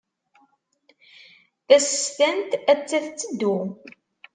Tasestant atta tetteddu.